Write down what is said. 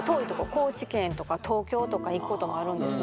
高知県とか東京とか行くこともあるんですね。